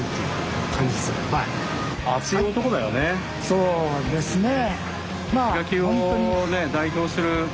そうですね。